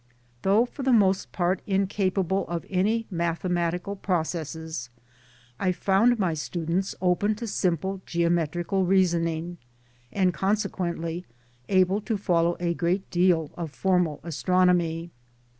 Though for the most part incapable of any mathe matical processes, I found my students open to simple geometrical reasoning and consequently able to follow a great deal of formal Astronomy.